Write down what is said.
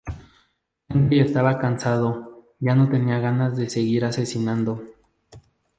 Henry estaba cansado, ya no tenía ganas de seguir asesinando.